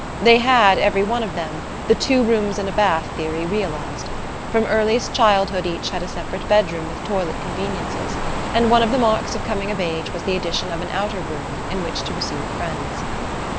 They had, every one of them, the "two rooms and a bath" theory realized. From earliest childhood each had a separate bedroom with toilet conveniences, and one of the marks of coming of age was the addition of an outer room in which to receive friends.